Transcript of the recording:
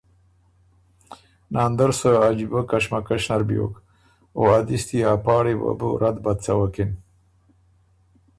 ناندر سۀ عجیبۀ کشمکش نر بیوک او ا دِستي ا پاړي وه بو رد بد څوکِن۔